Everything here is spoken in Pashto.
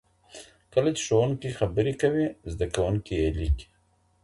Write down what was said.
کله چي ښوونکی خبرې کوي زده کوونکی یې لیکي.